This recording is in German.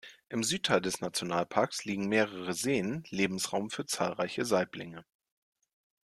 Im Südteil des Nationalparks liegen mehrere Seen, Lebensraum für zahlreiche Saiblinge.